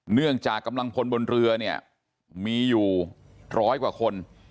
เนื่องจากกำลังพลบนเรือเนี่ยมีอยู่ร้อยกว่าคน